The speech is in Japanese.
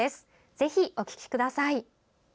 ぜひ、お聴きください。